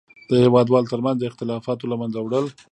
د هېوادوالو تر منځ اختلافاتو له منځه وړل.